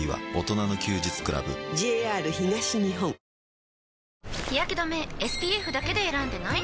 「ビオレ」日やけ止めＳＰＦだけで選んでない？